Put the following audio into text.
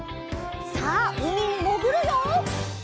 さあうみにもぐるよ！